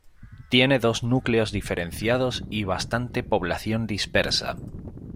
Tiene dos núcleos diferenciados y bastante población dispersa.